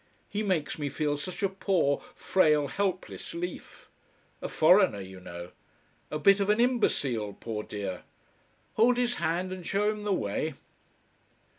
He makes me feel such a poor, frail, helpless leaf. A foreigner, you know. A bit of an imbecile, poor dear. Hold his hand and show him the way.